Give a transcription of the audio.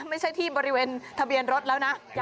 ไม่ใช่ที่บริเวณทะเบียนรถแล้วนะ